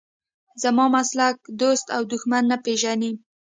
زما مسلک دوست او دښمن نه پېژني.